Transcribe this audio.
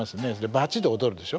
バチで踊るでしょ。